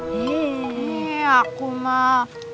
hei aku mah